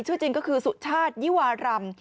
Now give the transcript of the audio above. ชื่อจริงก็คือสุชาติยิวารำ